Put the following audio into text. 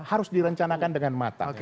harus direncanakan dengan mata